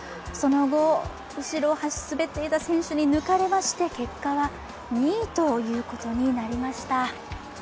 その後、後ろを滑っていた選手に抜かれまして、結果は２位ということになりました